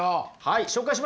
はい。